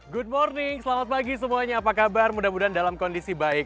good morning selamat pagi semuanya apa kabar mudah mudahan dalam kondisi baik